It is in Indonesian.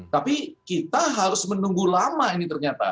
tapi kita harus menunggu lama ini ternyata